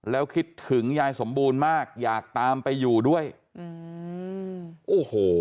แล้วคิดถึงยายสมบูรณ์มากอยากตามไปอยู่ด้วยอืมโอ้โห